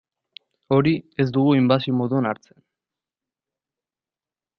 Hori ez dugu inbasio moduan hartzen.